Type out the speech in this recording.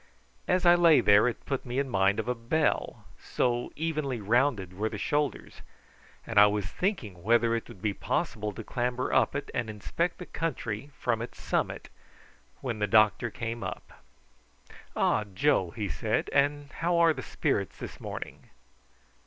As I lay there it put me in mind of a bell, so evenly rounded were the shoulders, and I was thinking whether it would be possible to clamber up it and inspect the country from its summit, when the doctor came up. "Ah! Joe," he said; "and how are the spirits this morning?"